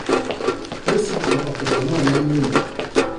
Le site comporte également un alignement.